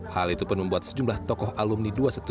hal itu pun membuat sejumlah tokoh alumni dua ratus dua belas